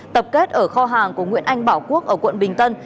tập kết ở kho hàng của nguyễn anh bảo quốc ở quận bình tân